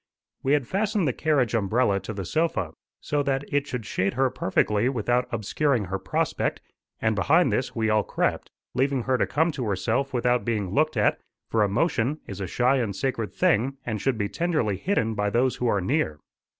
We had fastened the carriage umbrella to the sofa, so that it should shade her perfectly without obscuring her prospect; and behind this we all crept, leaving her to come to herself without being looked at, for emotion is a shy and sacred thing and should be tenderly hidden by those who are near.